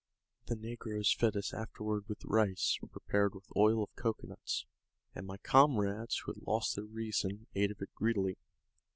The negroes fed us afterward with rice, prepared with oil of cocoanuts; and my comrades, who had lost their reason, ate of it greedily.